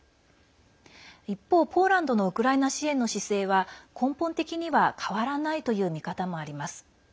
一方、ポーランドのウクライナ支援の姿勢は根本的には変わらないという見方もあります。